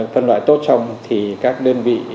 phân loại tốt xong thì các đơn vị